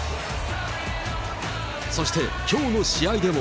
そしてきょうの試合でも。